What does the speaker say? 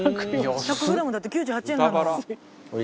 １００グラムだって９８円なんだもん。